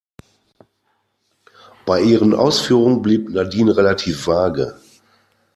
Bei ihren Ausführungen blieb Nadine relativ vage.